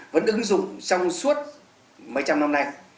vẫn ứng dụng trong suốt mấy trăm năm nay